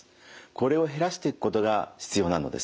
これを減らしていくことが必要なのです。